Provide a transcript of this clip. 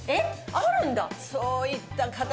あるんだ。